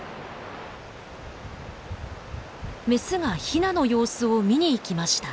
メスがヒナの様子を見に行きました。